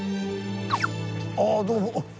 あぁどうも！